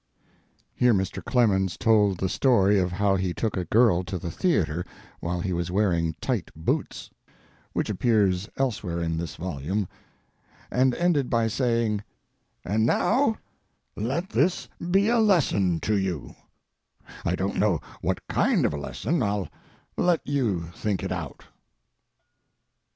[Here Mr. Clemens told the story of how he took a girl to the theatre while he was wearing tight boots, which appears elsewhere in this volume, and ended by saying: "And now let this be a lesson to you—I don't know what kind of a lesson; I'll let you think it out."